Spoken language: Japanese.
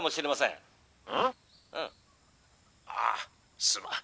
「ん？あすまん」。